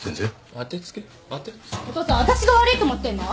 お父さんわたしが悪いと思ってんの？